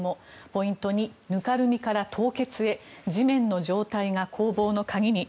ポイント２、ぬかるみから凍結へ地面の状態が攻防の鍵に。